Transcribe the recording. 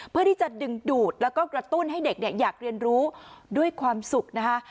เพื่อที่จะดึงดูดแล้วก็กระตุ้นให้เด็กอยากเรียนรู้ด้วยความสุขนะคะ